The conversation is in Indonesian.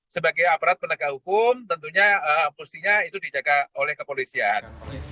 sebagai aparat penegak hukum tentunya mestinya itu dijaga oleh kepolisian